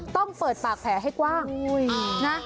ต้องเปิดปากแผลให้กว้างนะ